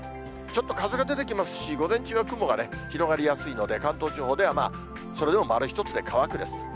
ちょっと風が出てきますし、午前中は雲がね、広がりやすいので、関東地方ではそれでも丸１つで乾くです。